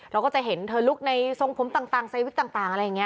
เราก็จะเห็นเธอลุกในทรงผมต่างใส่วิกต่างอะไรอย่างนี้